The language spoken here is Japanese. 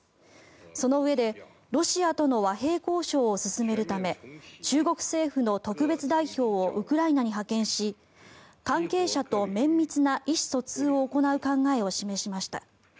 そのうえでロシアとの和平交渉を進めるため中国政府の特別代表をウクライナに派遣し関係者と綿密な意思疎通を行う考えを示しました。